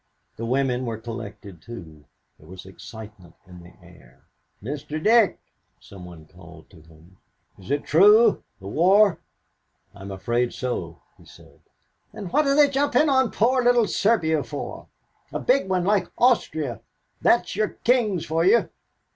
The women were collected too. There was excitement in the air. "Mr. Dick," some one called to him. "Is it true, the war?" "I am afraid so," he said. "And what are they jumping on poor little Serbia for, a big one like Austria? That's your kings for you."